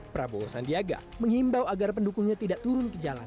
prabowo sandiaga mengimbau agar pendukungnya tidak turun ke jalanan